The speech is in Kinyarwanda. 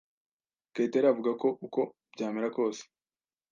Kayitare avuga ko uko byamera kose